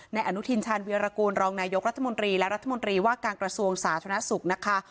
อนุทินชาญวีรกูลรองนายกรัฐมนตรีและรัฐมนตรีว่าการกระทรวงสาธารณสุขนะคะ